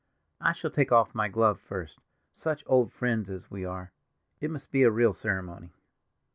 "I shall take off my glove first—such old friends as we are! It must be a real ceremony."